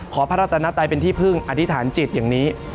พระรัตนไตยเป็นที่พึ่งอธิษฐานจิตอย่างนี้